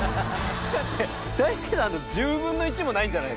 大輔さんの１０分の１もないんじゃないですか？